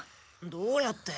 どうやって？